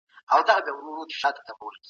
له سرچينو بايد سالمه ګټه واخيستل سي.